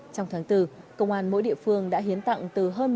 trong tháng bốn công an mỗi địa phương đã hiến tặng từ hơn